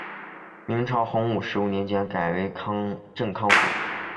明朝洪武十五年改为镇康府。